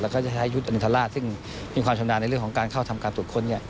แล้วก็จะใช้ยุทธราชซึ่งมีความชำนาญในเรื่องของการเข้าทำการตรวจค้น